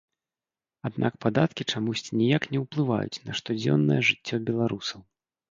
Аднак падаткі чамусьці ніяк не ўплываюць на штодзённае жыццё беларусаў.